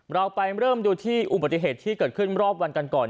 เราไปเริ่มดูที่อุบัติเหตุที่เกิดขึ้นรอบวันกันก่อน